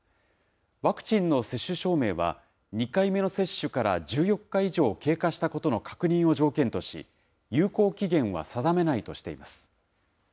ワクチンの接種証明は、２回目の接種から１４日以上経過したことの確認を条件とし、有効期限は定めないとしています。